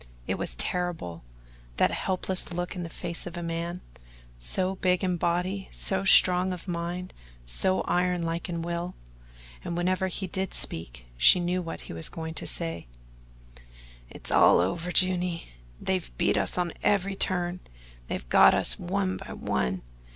It was terrible that helpless look in the face of a man, so big in body, so strong of mind, so iron like in will; and whenever he did speak she knew what he was going to say: "It's all over, Juny. They've beat us on every turn. They've got us one by one.